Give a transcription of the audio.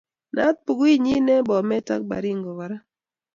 Naat bukuinyi eng Bomet ak Baringo kora